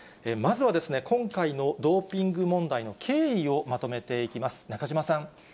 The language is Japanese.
まずはですね、今回のドーピング問題の経緯をまとめていきます。